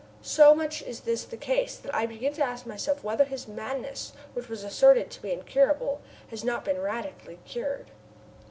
So much is this the case that I begin to ask myself whether his madness which was asserted to be incurable, has not been radically cured.